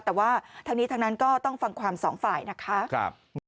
แต่ว่าทั้งนี้ทั้งนั้นก็ต้องฟังความสองฝ่ายนะคะ